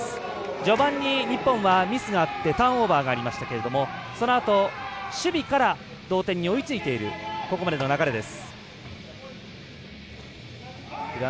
序盤に日本はミスがあってターンオーバーがありましたがそのあと守備から同点に追いついているここまでの流れです。